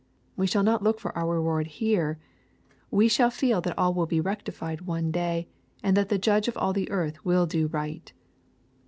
We shall not look for our reward here, We shall feel that all will be rectified one day, and that the Judge of all the earth will do right.